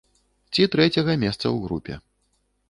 Ці трэцяга месца ў групе.